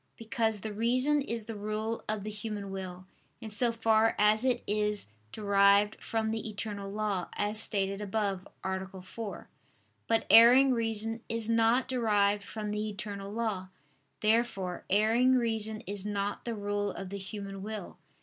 Because the reason is the rule of the human will, in so far as it is derived from the eternal law, as stated above (A. 4). But erring reason is not derived from the eternal law. Therefore erring reason is not the rule of the human will.